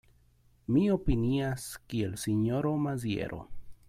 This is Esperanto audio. Mi opinias kiel sinjoro Maziero.